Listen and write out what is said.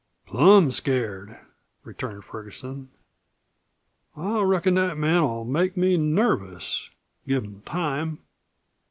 "Plum scared," returned Ferguson. "I reckon that man'll make me nervous give him time."